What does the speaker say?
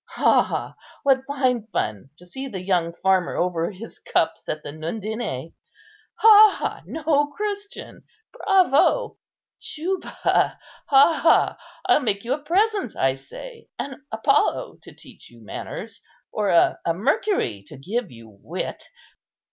Ha, ha, what fine fun to see the young farmer over his cups at the Nundinæ! Ha, ha, no Christian! bravo, Juba! ha, ha, I'll make you a present, I say, an Apollo to teach you manners, or a Mercury to give you wit."